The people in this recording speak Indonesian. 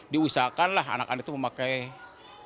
diusahakanlah anak anak itu memakai masker